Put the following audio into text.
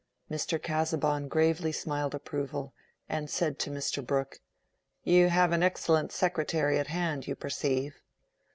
Mr. Casaubon gravely smiled approval, and said to Mr. Brooke, "You have an excellent secretary at hand, you perceive."